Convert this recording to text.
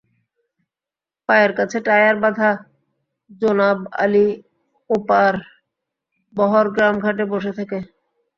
পায়ের কাছে টায়ার বাঁধা জোনাব আলি ওপার বহরগ্রাম ঘাটে বসে থাকে।